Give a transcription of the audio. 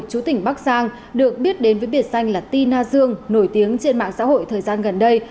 chủ tỉnh bắc giang được biết đến với biệt danh là ti na dương nổi tiếng trên mạng xã hội thời gian gần đây